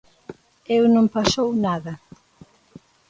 ¡E non pasou nada!